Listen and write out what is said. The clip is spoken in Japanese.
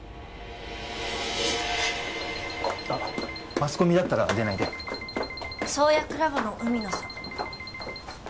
マスコミだったら出ないで創薬ラボの海野さん